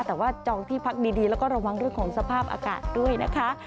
แต่ว่าจองที่พักดีแล้วก็ระวังเรื่องของสภาพอากาศด้วยนะคะ